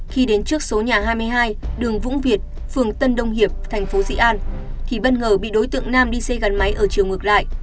khi đến trước số nhà hai mươi hai đường vũ việt phường tân đông hiệp thành phố dị an thì bất ngờ bị đối tượng nam đi xe gắn máy ở chiều ngược lại